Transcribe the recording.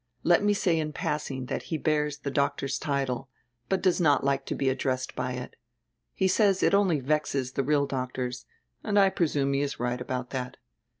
Let me say in passing that he bears die doctor's tide, but does not like to be addressed by it. He says it only vexes die real doctors, and I pre sume he is right about that.